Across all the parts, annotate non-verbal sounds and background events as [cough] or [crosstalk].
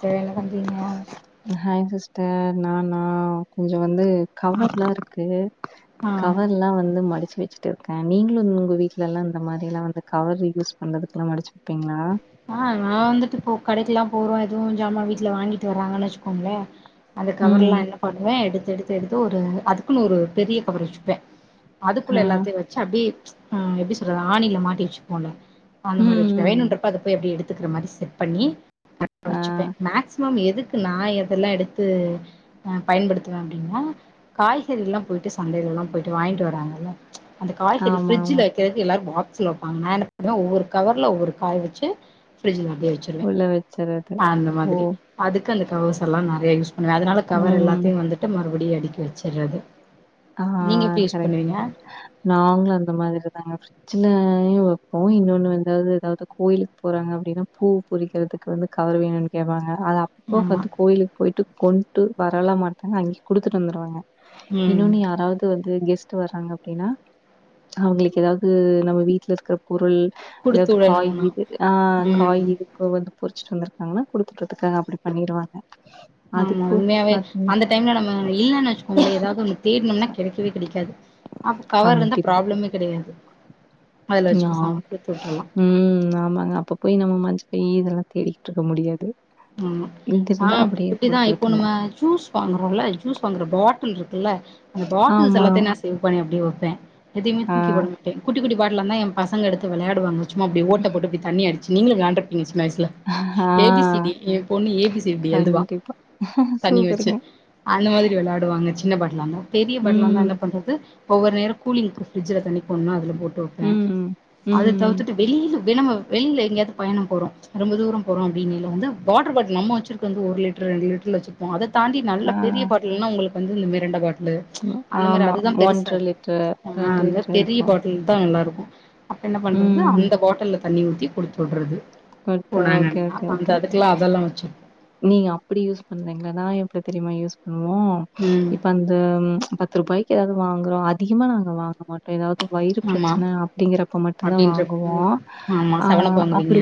Sir என்ன பண்றீங்க hi sister நானா கொஞ்ச வந்து கவர்லா இருக்கு ஆ கவர்ல்லா வந்து மடிச்சு வச்சு ட்டு இருக்க நீங்களு உங்க வீட்லல்லா இந்த மாரில்லா வந்து கவர் யூஸ் பண்றதுக்குல்லா மடிச்சு வப்பீங்களா ஆ நா வந்துட்டு போ கடைக்கெல்லா போறோ எதுவு ஜாமான் வீட்டுல வாங்கிட்டு வர்றாங்கன் வச்சுக்கோங்களே அந்த கவர்ல்லா ம். என்ன பண்ணுவே எடுத்து எடுத்து எடுத்து ஒரு அதுக்குன் ஒரு பெரிய கவர் வச்சுப்ப ஆ. அதுக்குள்ள எல்லாத்தையு வச்சு அப்டி எப்டி சொல்றது ஆணில மாட்டி வச்சுபோல அந்த மாரி வச்சுப்ப ம். வேணுன்றப்ப அத போய் அப்டி எடுத்துக்குற மாரி செட் பண்ணி [inaudible] ஆ. வச்சுப்ப மேக்ஸ் மேம் எதுக்கு நா எதெல்லா எடுத்து ஆ பயன்படுத்துவ அப்டின்னா காய்கறியெல்லா போய்ட்டு சந்தைலலா போய்ட்டு வாங்கிட்டு வராங்கல அந்த காய்கறி ஆமாமா. ஃபிரிட்ஜ்ல வைக்கிறது எல்லாரு பாக்ஸ்ல வப்பாங்க நா என்ன பண்ணுவ ஒவ்வொரு கவர்ல ஒவ்வொரு காய் வச்சு ஃரிட்ஜ்ல அப்டியே வச்சிருவ உள்ள வச்சுறது. அந்த ஓ! மாதிரி அதுக்கு அந்த கவர்ஸ்ல்லா நறயா யூஸ் பண்ணுவ அதனால கவர் ம். எல்லாத்தையு வந்து ட்டு மறுபடியும் அடிக்கி வச்சுட்றது நீங்க எப்டி யூஸ் பண்ணுவீங்க நாங்களு அந்த மாதிரிதா சின்ன நாயு வப்போ இன்னொன்னு வந்து எதாவது கோயிலுக்கு போறாங்க அப்டின்னா பூ பரிக்கிறதுக்கு வந்து கவர் வேணுன் கேப்பாங்க அது அப்போ ஆமா வந்து கோவிலுக்கு போய்ட்டு கொண் விட்டு வரலா மாட்டாங்க அங்கே குடுத்துட்டு வந்துருவாங்க ம் இன்னொன்னு யாராவது வந்து கெஸ்ட் வர்றாங்க அப்டின்னா அவுங்களுக்கு ஏதாவது நம்ம வீட்ல இருக்க பொருள் குடுத்து அதாவது காய் விடணும்னா இது ஆ காய் ம் இது வந்து பொரிச்சுட்டு வந்திருக்காங்கன்னா குடுத்துட்டு வந்ததுக்காக அப்டி பண்ணிருவாங்க அது ஆமா போக உண்மையாவே பார்த்தீங்க அந்த டைம்ல நம்ம இல்லனு வச்சுக்கோங்களே எதாவது ஒன்னு தேடினம்னா சாரி கெடைக்கவே கெடைக்காது அப்ப கவர் இருந்தா கண்டிப்பா. ப்ராப்ளமே கெடையாது அதுல வச்சு பேசாம ன்னாம் குடுத்து விட்றலா ம் ஆமாங்க அப்ப போய் நம்ம மஞ்ச பை இதெல்லா தேடிக்கிட்டு இருக்க முடியாது இது ஆ இருந்தா அப்டியே இப்டிதா குடுத்து இப்போ விட்டுர்லாம். நம்ம சூஸ் வாங்குறோல ஜூஸ் வாங்குற பாட்டில் இருக்குல்ல அந்த பாட்டில்ஸ் ஆமா. எல்லாத்தையு நான் சேவ் பண்ணி அப்டியே வப்பே எதுமே ஆ, தூக்கிப்போட மாட்டே குட்டி குட்டி பாட்டலா இருந்தா என் பசங்க எடுத்து விளையாடுவாங்க சும்மா அப்டி ஓட்ட போட்டு இப்டி தண்ணி அடுச் நீங்களு வெளான்ட்ருப்பீங்க சின்ன வயசுல ஹ ஆ எடி என் பொண்ணு ஏபிசிடி இப்டி எழுதுவா கண்டிப்பா. தண்ணி வச்சு சூப்பருங்க. அந்த மாரி விளாடுவாங்க சின்ன பாட்லா இருந்தா பெரிய பாட்லா இருந்தா என்ன ம், பண்றது ஒவ்வொரு நேரோ கூலிங்க்கு ஃபிரிட்ஜ்ல தண்ணி போட்ணுனா அதுல போட்டு வப்பே ம், ம், அத தவிர்த் ம். ட்டுட்டு வெளில வெனமா வெளில எங்கயாது பயணம் போறோ ரொம்ப தூர போறோ அப்டிங்கைல வந்து வாட்ரு பாட்லு நம்ம வச்சிருக்குறது வந்து ஒரு லிட்ரு ரெண்டு லிட்டர்ல வச்சிருப்போ அத தாண்டி நல்ல ஆ. பெரிய பாட் இல்லனா உங்களுக்கு வந்து இந்த மெரிண்டா பாட்லு அந்த மாரி ஆமா. அதுதா பெருசா இருக்கு லிட்டர், ஆ அந்த மாரி லிட்டர் பெரிய இருக்கும். பாட் ல் தா நல்லா இருக்கு அப்ப என்ன பண்றது ம். அந்த பாட்ல தண்ணி ஊத்தி குடுத்துவுடுறது குடுத்து ஓகே, போனாங்கனா ஓகே, அந்த ஓகே. அதுக்கெல்லா அதெல்லா வச்சு நீங்க அப்டி யூஸ் பண்றீங்கனா எப்டி தெரியுமா யூஸ் பண்ணுவோ ம் இப்ப அந் இந்த பத்து ரூபாய்க்கு ஏதாவது வாங்குறோ அதிகமா நாங்க வாங்க மாட் ஏதாவது வயிறு ஆமா பிரச்சன அப்டிங்குறப்ப மட்டு தா வாங்குவோ அப்டின்றப்போ ஆமா ஆ செவனப் வாங்குவீங்க அப்டி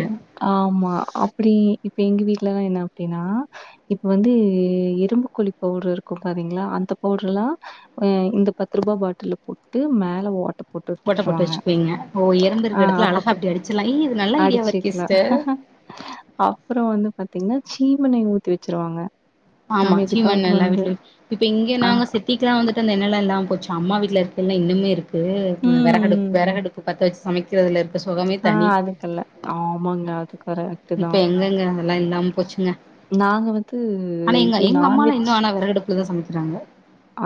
ஆமா அப்டி இப்ப எங்க வீட்லலா என்ன அப்டின்னா இப்ப வந்து எறும்புக்குழி பவுடரு இருக்கு பாத்தீங்ளா அந்த பவுடர்லா ம் இந்த பத்து ரூபா பாட்டில்ல போட்டு மேல வாட்ட ஓட்ட போட்டு வச்சுபீங்க ஓ எறும்பு ஆ இருக்குற இடத்துல அழகா இப்டி அடிச்சிலா ஏ இது நல்ல ஐடியாவா இருக்கே சிஸ் அப்றோ வந்து பாத்தீங்கன்னா சீமனைய ஊத்தி வச்சிருவாங்க ஆமா சீமண்ண எல்லா வீட்லயு இப்ப இங்க ஆ, நாங்க செட் தீக்கெல்லா வந்துட்டு அந்த எண்ணெலா இல்லாம போச்சு அம்மா வீட்ல இருக்கைல இன்னுமே இருக்கு வெறகடுப்பு ம். வெறகடுப்பு பத்த வச் சமக் கிறதுல இருக்க சுகமே ஆ தனி அதுக்கல்ல. ஆமாங்க. அது கரெக்ட்டு இப்ப தான். எங்கெங்க அதெல்லா இல்லாம போச்சு ங்க நாங்க வந் ஆனா எங்க எங்க அம்மாலா இன்னு ஆனா வெறகடுப்புல தா சமைக்கிறாங்க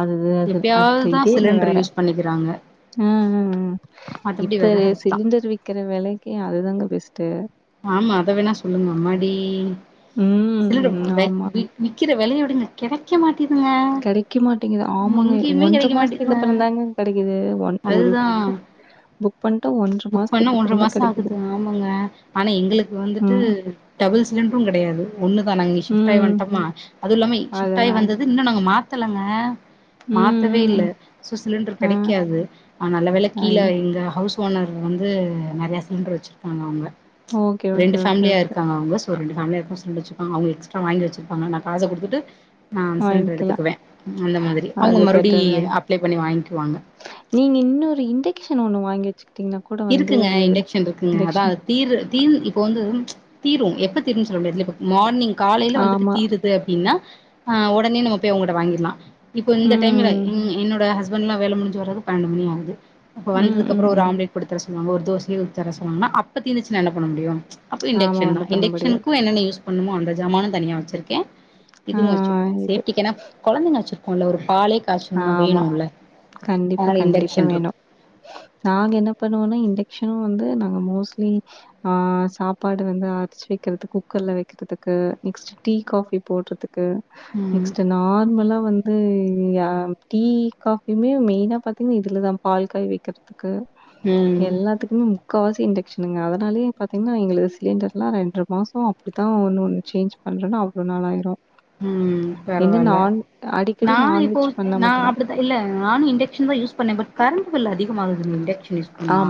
அது அது எப்பயாதுதா சிலிண்டர் யூஸ் பண்ணிக்கிறாங்க ம் ம் ம் மத்தபடி இப்ப வெறகடுப்புதா சிலிண்டர் விக்கிற வெலைக்கி அதுதாங்க பெஸ்ட்டு ஆமா அத வேணா சொல்லுங்க அம்மாடி சிலிண்டர் ம். வக் ஆமா. விக் விக்கிற வெலைய விடுங்க கெடைக்க மாட்டேங்துங்க கிடைக்க மாட்டேங்குது. ஆமாங்க. எங்கேயுமே கெடைக்க மாசத்துக்கு மாட்டேங்துங்க அப்புறம் தாங்க கிடைக்குது. ஒன் ஒரு அதுதா புக் பண்ணிட்டா புக் பண்ண மாசத்துக்கு ஒன்றர அப்புறம் தான் மாச கிடைக்குது. ஆகுதுங்க ஆமாங்க ஆனா எங்களுக்கு வந்துட்டு ம். டபுள் சிலிண்ரு கெடையாது ஒண்ணு தா நாங்க இங்க ஷிப்ட் ஆயி ம். வன்டோமா அது இல்லாம ஷிப்ட் ஆயி அதுதான். வந்தது இன்னு நாங்க மாத்தலங்க ம், மாத்தவே ம். இல்ல சோ சிலிண்டர் ஆ. கெடைக்காது அ நல்ல வேல ஐ கீழ எங்க ஹவுஸ் ஓனர் வந்து நெறைய சிலிண்டர் வச்சிருப்பாங்க அவுங்க ஓகே, ஓகே, ரெண்டு ஓகே, ஃபேமிலியா ஓகே. இருக்காங்க அவுங்க சோ ரெண்டு ஃபேமிலியா எப்போ சிலிண்டர் வச்சிருப்பாங்க அவுங்க எக்ஸ்ட்ரா வாங்கி வச்சிருப்பாங்க நா காச குடுத்துட்டு நா சிலிண்டர் வாங்கிக்கலாம். எடுத்துக்குவே அந்த மாதிரி அவுங்க அது மறுவடி பெட்டர் தாங்க. அப்ளே பண்ணி வாங்கிக்குவாங்க நீங்க இன்னொரு இண்டக்க்ஷன் ஒண்ணு வாங்கி வச்சுக்கிட்டீங்கன்னா கூட வந்து இருக்குங்க இண்டக்க்ஷன் இருக்குங்க அதா இண்டக்ஷன் தீரு தீந் இப்ப வந்து தீரு எப்ப தீரும்னு சொல்ல முடியாதுல இப்ப மார்னிங் காலையில வந்துட்டு ஆமா. தீருத் து அப்டின்னா அ உடனே நம்ம போய் அவுங்கிட்ட வாங்கிடலா இப்ப இந்த டைம்ல ம். இன் என்னோட ஹஸ் பண்ட்ல்லா வேல முடிஞ்சு வரது பன்னெண்டு மணி ஆகுது அப்ப ம், வந்ததுக்கு ம், அப்பறோ ஒரு ம். ஆம்லெட் போட்டுத்தர சொல்லுவாங்க ஒரு தோசையயே ஊத்தி தர சொல்லுவாங்கன அப்ப தீந்திச்சுனா என்ன பண்ண முடியு அப்ப ஆமா இண்டக்க்ஷன் தா ஒண்ணும் பண்ண முடியாது. இண்டக்க்ஷனுக்கு என்னென்ன யூஸ் பண்ணணுமோ அந்த ஜமானு தனியா வச்சிருக்கே ஆ இதுவு வச்சிருக்கோ இது. சேஃப்டிக்கேனா கொழந்தைங்க வச்சிருக்கோல ஒரு பாலே காய்ச்சணுனா ஆமா. வேணுல்ல கண்டிப்பா, அதனால கண்டிப்பா இண்டக்க்ஷன்ருக் வேணும். நாங்க என்ன பண்ணுவோனா இண்டெக்க்ஷனு வந்து நாங்க மோஸ்ட்லி ஆ சாப்பாடு வந்து அரிசி வைக்கிறதுக்கு குக்கர்ல வைக்கிறதுக்கு நெக்ஸ்ட் டீ காபி போடுறதுக் கு ம் நெக்ஸ்ட் நார்மலா வந்து யா டீ காஃபியுமே மெயினா பாத்தீங்கன்னா இதுலதா பால் காய் வைக்கிறதுக்கு ம் எல்லாத்துக் குனு முக்காவாசி இண்டக்க்ஷனுங்க அதனாலயே பாத்தீங்கன்னா எங்குளுக்கு சிலிண்டர்லா ரெண்ற மாசோ இப்டித்தா ஒன்னு ஒன்னு சேஞ்ச் பண்ணலன்னா அவ்ளோ நாளாயிரு ம் என்ன பரவால்ல நான் அடிக்கடி நா நான்வெ இப்போ நா அப்டித்தா இல்ல நானு இண்டக்ஷன்தா யூஸ் பண்ணே பட் கரண்டு பில் அதிகமாகுது இண்டக்ஷன் யூஸ் பண்ணா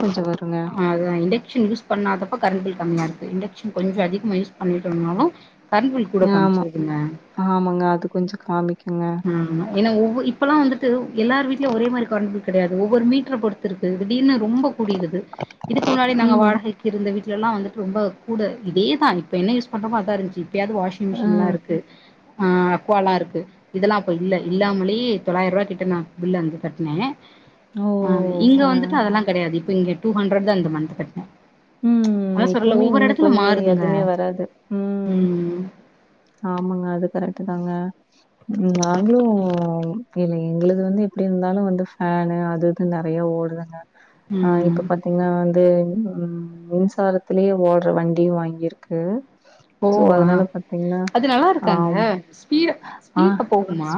கொஞ்சொ வருங்க அதா இண்டக்ஷன் யூஸ் பண்ணாதப்ப கரண்டு பில் கம்மியா இருக்கு இண்டக்ஷன் கொஞ்சொ அதிகமா யூஸ் பண்ணிட்டோம்னாலு கரண்டு பில் கூட காமிச் ஆமா, ஆமாங்க அது கொஞ்சொ காமிக்குங்க ஆமா ஏனா ஒவ்வொ இப்பல்லா வந்துட்டு எல்லார் வீட்லயு ஒரே மாரி கரண்ட் பில் கெடையாது ஒவ்வொரு மீட்ர பொறுத் துருக்கு திடீர்னு ரொம்ப கூடிடுது இதுக்கு முன்னாடி நாங்க ம். வாடகைக் கிருந்த வீட்லல்லா வந்துட்டு ரொம்ப கூட இதேதா இப்ப என்ன யூஸ் பண்றமோ அதா இருந்துச்சு இப்பயாவ்து வாஷிங் ஆ. ல்லா இருக்கு ஆ அக்குவால்லா இருக்கு இதெல்லா அப்ப இல்ல இல்லாமலயே தொள்ளாயிருவா கிட்ட நா பில் அங்க கட்னே ஓ ஆம் இங்க ஆ. வந்துட்டு அதெல்லா கெடையாது இப்ப இங்க டூ ஹண்ட்ரடுதா இந்த மன்த் கட்ன ம் எப்பவுமே இன்ன கொஞ்சொ மாறுதுங்க. எதுவுமே வராது ம் ஆமாங்க அது கரெக்ட் தாங்க ம் நாங்களு இல்ல எங்கள்து வந்து எப்டி இருந்தாலு வந்து ஃபேனு அது து நெறைய ஓடுதுங்க ஆ ம். இப்ப பாத்தீங்கன்னா வந்து ம் மின்சாரத்திலேயே ஓடுற வண்டியு வாங்கிருக்கு போவா அது நல்லாருக்காங்க ஆம் ஸ்பீட ஆ ஸ்பீடுல போ குமா ஸ்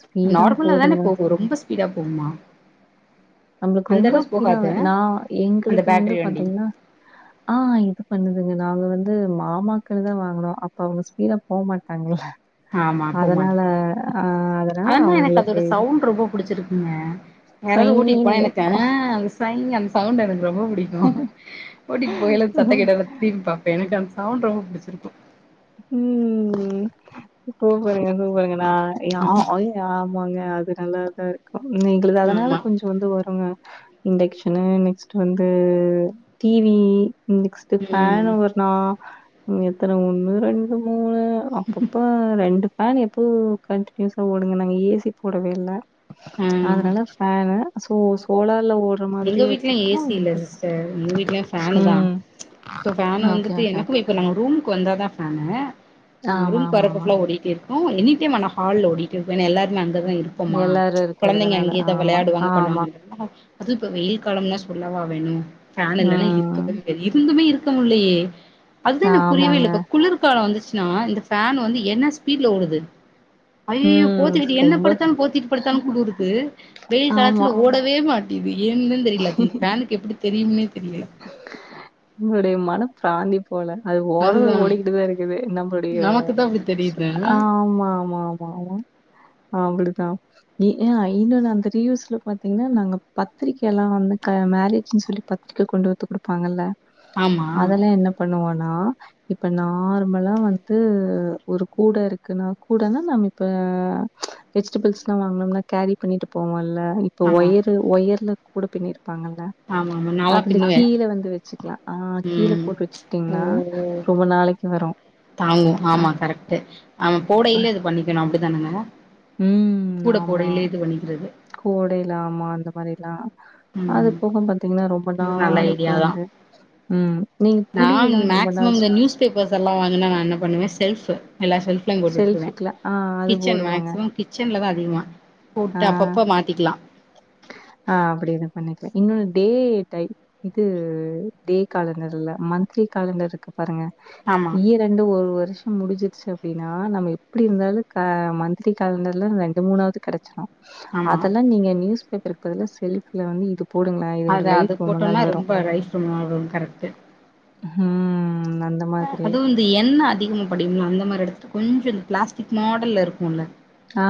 ஸ்பீடா நார்மலா தானே போதுங்க. போகு ரொம்ப ஸ்பீடா போகுமா நம்மளுக்கு அந்த ரொம்ப அளவு ஸ்பீடா போகாது வே நா அந்த எங்களது வந்து பேட்ரி வண்டி பாத்திங்கன்னா ஆ இது பண்ணுதுங்க நாங்க வந்து மாமாக்கள்தா வாங்குனோ அப்போ அவங்க ஸ்பீடா போமாட்டாங்கள்ள ஆமா அதனால போமாட்டேங் அ அதனால அதனா எனக்கு அவங்களுக்கு அதோட இது சவுண்ட் ரொம்ப புடிச்சிருக்குங்க யாராவ்து ஓட்டிட்டு சொய்யின்னு போனா எனக்கு ஆ கேட்கும். சைங் அந்த சவுண்டு எனக்கு ரொம்ப புடிக்கு ஓட்டிட்டு போயல்ல சத்தோ கேட்டா நா திரும்பி பாப் பே எனக்கு அந்த சவுண்டு ரொம்ப புடிச்சுருக்கு ம் சூப்பர்ங்க சூப்பர்ங்க நா எ ஆ அய்ங் ஆமாங்க அது நல்லாதா இருக்கு எங்கள்து அதனால ஆமா கொஞ் இது வந்து வருங்க இண்டக்ஷனு நெக்ஸ்ட் வந்து டி வி நெக்ஸ்ட் ஃபேனு ம் ஒரு நா ம் எத்தன ஒன்னு ரெண் மூணு அப்பப்ப ரெண்டு ஃபேனு எப்போவு கன்டினியூஸா ஓடுங்க நாங்க ஏ சி போடவே இல்ல ம் அதனால ஃபேனு சோ சோலார்ல ஓடு எங்க வீட்ல ஏ சி இல்ல சிஸ்டர் எங்க வீட்லையு ஃபேனுதா ம். சோ ஃபேன் ஓகே, வந்துட்டு ஓகே, எனக்கு ஓகே. இப்ப நாங்க ரூம் க்கு வந்தாதா ஃபேனு ஆ ஆமா, ரூம்க்கு ஆமா, வர்றப்போ ஆமா. ஃபுல்லா ஓடிட்டே இருக் கு எனிடைம் ஆனா ஹால்ல ஓடிட்டே இருக்கு ஏனா எல்லாருமே அங்கதா இருப் போமா எல்லாரும் கொழந்தைங்க இருக்கிறதுனால. அங்கேதா ஆமா, விளையாடுவாங்க ஆமா. பண்ணுவாங்க அது இப்போ வெயில் காலம்னி சொல்லவா வேணு ஃபேன் இல்லன்னா இருக்கவே ம். மு செரி இருந்துமே இருக்க முல்லையே அதுதா எனக்கு புரியவே ஆமாங்க. இல்லப்பா குளிர் க்காலோ வந்துச்சுன்னா இந்த ஃபேன் வந்து என்ன ஸ்பீடுல ஓடுது ஐய்யயோ ம். போத்திக்கிட்டு என்ன ரொம்ப படுத்தாலு போத்திட்டு படுத்தாலு குளுருது வெயில் ஆமா. காலத்துல ஓடவே மாட் இது ஏன்னு தெரியல அது இந்த ஃபேனுக்கு எப்டி தெரியும்னே தெரியல உங்களுடைய மன பிராந்திப் போல அது ஓடுது அதுதா ஓடிக்கிட்டுதா இருக்குது நம்பளுடைய நமக்கு தா அப்டி தெரியுது ஆமா மா மா மா அப்டிதா இ அ இன்னொன்னு அந்த ரிவூஸ்ல பாத்தீங்கன்னா நாங்க பத்திரிக்கை எல்லா வந்து மேரேஜ்ன்னு சொல்லி பத்தி கு கொண்டு வந்து குடுப்பாங்கல்ல ஆமா அதெலா என்ன பண்ணுவோனா இப்ப நார்மலா வந்து ஒரு கூட இருக்குனா கூடனா நம்ம இப்ப வெஜிடபிள்ஸ்லா வாங்குனம்னா கேரி பண்ணிட்டு போவல்ல இப் இப்ப ஆமா ஒயரு ஒயர்ல கூட பின்னிருப்பாங்கல்ல ஆமா ஆமா நாலா அதுல பின்னுவே கீழ வந்து வச்சிக்கலா ஆ கீழ ம் போட்டு ஓ வச்சிக்கிட்டீங்கனா ரொம்ப நாளைக்கி வரு ஆமோ ஆமா கரெக்ட் ஆமா போடையிலே இது பண்ணிக்கணு அப்டிதானங்க கூட போடையில இது பண்ணிக்கிறது கூடையில ஆமா அந்த மாரியலா அது ம் போக பாத்தீங்கனா ரொம்ப இது நல்ல நாளைக்கு ஐடியா தா வந்து ம் நீங்க புளிலா ரொம்ப நாள் ஸ்டோ குட்டி பர்ஸ்லா வாங்குனா நா என்ன பண்ணுவே செல்ஃபு எல்லா செல்ஃபுலையு போட்டு வுட்ருவ ஷெல்ஃபுக்குல ஆ அது கிச்சன் போடுவாங்க. மேக்சிமம் கிச்சன்ல தா அதிகமா ஆ, போட்டு அப்பப்ப மாத்திக்லா ஆ அப்டி இது பண்ணிக்லா இன்னொன்னு டே டைம் இது டே காலண்டர்ல மந்த்லி காலண்டர் இருக்கு பாருங்க ஆமா இயர் ரெண்டு ஒரு வருஷ முடிஞ்சிருச்சு அப்டின்னா நம்ம எப்டி இருந்தாலு ஆ மந்திலி காலண்டர்ல ரெண்டு மூணாவது கெடைச்சிரு ஆமா அதெல்லா நீங்க நியூஸ் பேப்பர்க்கு பதிலா செல்ஃபுல வந்து இது போடுங்களேன். இதோட அத லைஃப் அது ரொம்ப போட்டோனா நாள் வரும். ரொம்ப ரைஸ் சொன்னாளோ கரெக்ட்டு ம் நல்லப் அதுவு இந்த எண்ண அதிகமா படியும்ல அந்த மாரி எடத்து கொஞ்ச இந்த பிளாஸ்டிக் மாடல்ல இருக்குல ஆ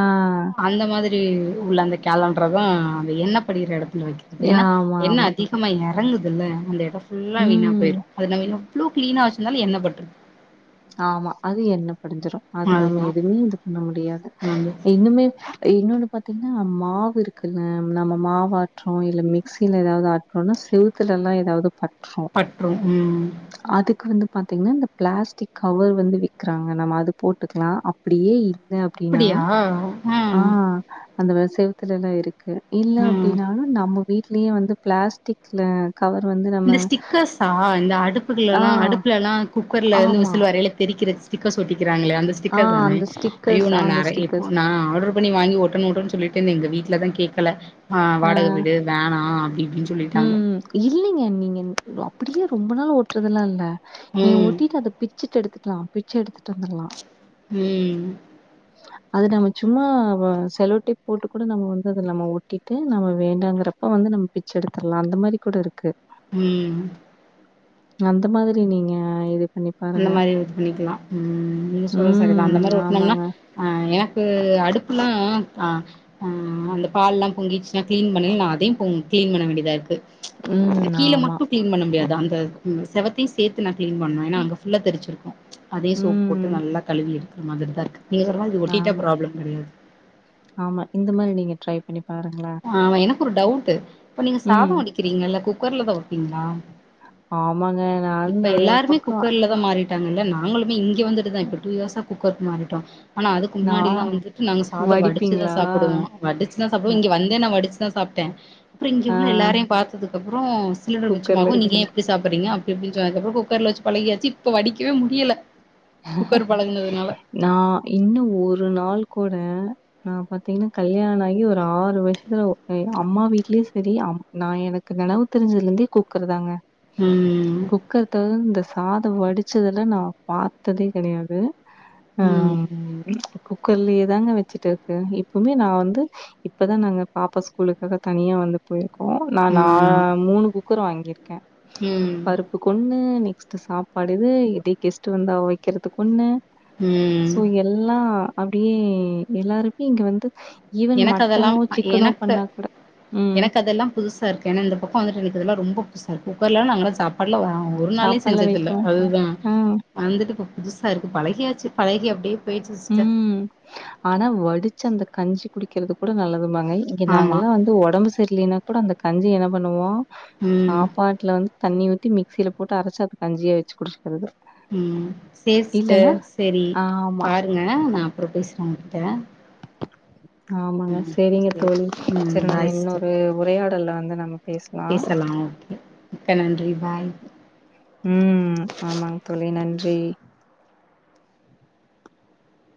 அந்த மாதிரி உள்ள அந்த கேலண்டர தா அந்த எண்ண படிற எடத்துல வைக்கிறது ஏன்னா ஆமா, எண்ணெ ஆமா. அதி கமா இறங்குதுல்ல அந்த எடம் ஃபுல்லா வீணா ம். போயிறு அது நம்ம எவ்ளோ கிளீனா வச்சிருந்தாலு எண்ணெ பட்ரு ஆமா அது எண்ண படிஞ்சிரு அது நம்ம அதுதா எதுமே இது பண்ண முடியாது இன்னுமே இன்னொன்னு பாத்தீங்னா மாவு இருக்குல நம்ம மாவு ஆட்றோ இல்ல மிக்சில ஏதாது ஆட் றோனா செவுத்துலல்லா ஏதாது பற்று பட்ரும் ம் அதுக்கு வந்து பாத்தீங்னா இந்த பிளாஸ்டிக் கவர் வந்து விக்கிறாங்க நம்ம அது போட்டுக்லா அப்டியே இல்ல அப் அப்டினா அப்படியா ஆ ம் அந்த செவத்துல்லா இருக்கு இல்ல ம் அப்டின்னாலு நம்ம வீட்லயே வந்து பிளாஸ்டிக்ல கவர் வந்து நம்ம இந்த ஸ்டிக்கர்ஸா இந்த ஆ, அடுப்புகள்லா அடுப்புலலா குக்கர்ல இருந்து ஆமா. விசில் வரையில தெரிக்கிற ஸிடிக்கர்ஸ் ஒட்டிக்கிறாங்களே அந்த ஆ ஸ்டிக்கர் தானே அந்த அய்யோ ஸ்டிக்கர்ஸ் நா அந்த நரை எப் ஸ்டிக்கர்ஸ். நா ஆடர் புக் பண்ணி வாங்கி ஒட்டனு ஒட்டன்னு சொல்லிட்டு இருந்த எங்க வீட்ல தா கேக்கல ஆ வாடக வீடு வேணா அப்டி இப்டி சொல்லீட்டாங்க இல்லங்க நீங்க அப்டியே ரொம்ப நாள் ஓட்டுறதுல்லா இல்ல நீங்க ம் ஒட்டிட்டு அது பிச்சுட்டு எடுத்துக்கலா பிச்சு எடுத்துட்டு வந்துடலா ம் அது நம்ம சும்மா செலோடோப் போட்டு கூட நம்ம வந்து அத நம்ம ஒட்டிட்டு நம்ம வேண்டாங்கிறப்ப வந்து நம்ம ச்ச எடுத்ர்லா அந்த மாரி கூட இருக்கு ம் அந்த மாதிரி நீங்க இது பண்ணி அந்த பாருங்க. மாரி ஒர்க் பண்ணிக்கலா ம் நீ சொல்ற சரிதா அந்த ம். மாரி ஒட்னம்னா ஆமாங்க. ஆ எனக்கு அடுப்புல்லா ஆங் ஆங் அந்த பால்லா பொங்கிருச்சுனா கிளீன் பண்ணணு அதே போ கிளீன் பண்ண வேண்டியதா இருக்கு ம். கீழ ஆமா. மட்டும் கிளீன் பண்ண முடியாது அந்த ம் செவத்தையு சேத்து நா கிளீன் பண்ணுவே ஏனா ம். அங்க புல்லா தெரிச்சிருக்கு அதே சோப் போட்டு ம். நல்லா கழுவி எடுக்குற மாதிரிதா இருக்கு இங்கர்லா ஒட்டிட்டா ஆமா, ப்ராப்ளம் கெடையாது ஆமா இந்த மாரி நீங்க ட்ரை பண்ணி பாருங்களே ஆமா எனக்கு ஒரு டவுட்டு இப்ப நீங்க சாத வடிக்கிறீங்கல்ல குக்கர்லதா வப்பீங்களா ஆமாங்க. நானும் இப்ப நெறைய எல்லாருமே பக்கம் குக்கர்லதா மாறிட் கல்ல நாங்களுமே இங்க வந்துட்டுதா இப்ப டூ இயர்ஸ்ஸா குக்கர்க்கு மாறிட்டோ ஆனா அதுக்கு நான் முன்னாடில்லா வந்துட்டு நாங்க சாத வடிச்சுதா வடிப்பீங்களா? சாப்புடுவோ வடிச்சுதா சாப்புடுவோ அ. இங்க வந்தே நா வடிச்சுதா சாப்ட்டே அப்ற இங்க ஆ. உள்ள எல்லாரையு பாத்ததுக்கு அப்றோ சிலிண்டர் குக்கர்ல மிச்சமாகு நீங்க வச்சு. ஏ இப்டி சாப்புறீங்க அப்டி அப்டின் சொன்னதுக்கப்பறோ குக்கர்ல வச்சு பழகியாச்சு இப்ப வடிக்கவே முடியல குக்கர் பழகுனதுனால நா இன்னு ஒரு நாள் கூட நா பாத்தீங்கன்னா கல்யாண ஆகி ஒரு ஆறு வருஷத்துல எ அம்மா வீட்லயு சரி அம் நா எனக்கு நெனவு தெரிஞ்சதிலிருந்தே குக்கர்தாங்க ம் குக்கர் தவுந்து இந்த சாத வடிச்சதுல நா பாத்ததே கெடையாது ம் ஆம் குக்கர்லயே தாங்க வச்சுட்ருக்கு இப்பவுமே நா வந்து இப்பதா நாங்க பாப்பா ஸ்கூலுக்காக தனியா வந்து போயிருக்கோ நா நா ம் மூணு குக்கர் வாங்கியிருக்கே ம் கொண்ணு நெக்ஸ்ட்டு சாப்பாடு இது இதே கெஸ்ட்டு வந்தா வைக்கிறதுக்கு ஒண்ணு ம் சோ எல்லா அப்டியே எல்லாருமே இங்க வந்து ஈவன் எனக்கு அதெல்லா மட்டனோ, சிக்கனோ எனக்கு பண்ணா கூட ம். எனக்கு அதெல்லா புது சா இருக்கு ஏன்னா இந்த பக்க வந்துட்டு எனக்கு இதெல்லா ரொம்ப புதுசா இருக்கு குக்கர்லலா நா சாப்பாடுலா ஒரு நாளே சாப்பாடுல வைக்க செஞ்சதுல்ல மாட்டேன். அதுதா ஆ, வந்துட்டு இப்ப புதுசா இருக்கு பழகியாச்சு பழகி அப்டியே போயிச்சு சிஸ்டர் ம். ஆனா வடிச்சு அந்த கஞ்சி குடிக்கிறது கூட நல்லதுமாங்க இங்க ஆமா நாங்கல்லா வந்து ஒடம்பு சரியலனா கூட அந்த கஞ்சி என்ன பண்ணுவோ ம் சாப்பா வீட்ல ல வந்து தண்ணி ஊத்தி மிக்ஸில போட்டு அரைச்சு அது கஞ்சியா வச்சு குடுச்சிக்கறது ம் சேர் சிஸ்டர் சரி ஆமா, பாருங்க நா அப்பறோ பேசுறே உங்ககிட்ட ஆமாங்க ம் சரிங்க சேரி தோழி ம் சரி நம்ம பாய் இன்னொரு உரையாடல்ல வந்து நம்ம பேசலா பேசலா ஓகே மிக்க நன்றி பாய் ம் ஆமாங்க தோழி நன்றி